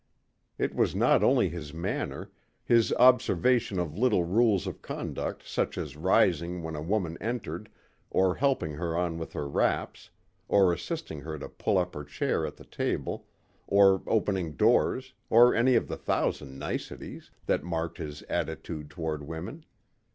It was not only his manner his observation of little rules of conduct such as rising when a woman entered or helping her on with her wraps, or assisting her to pull up her chair at the table or opening doors or any of the thousand niceties that marked his attitude toward women.